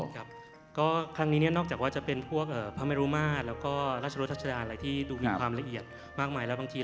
แล้วนอกจากว่าจะเป็นพวกพระเมรุมาตรและลัชรุทรชนาอะไรที่มากมายที่ดูมีความละเอียด